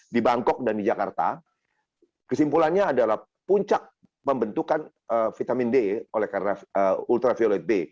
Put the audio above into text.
di bangkok dan di jakarta kesimpulannya adalah puncak pembentukan vitamin d oleh ultraviolet b